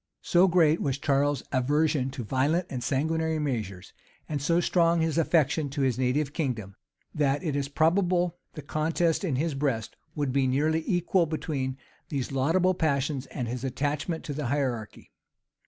So great was Charles's aversion to violent and sanguinary measures, and so strong his affection to his native kingdom that it is probable the contest in his breast would be nearly equal between these laudable passions and his attachment to the hierarchy.